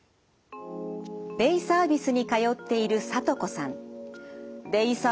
デイサービスに通っているさとこさん。